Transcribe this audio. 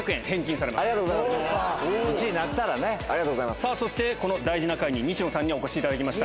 さあ、そしてこの大事な回に、西野さんにお越しいただきました。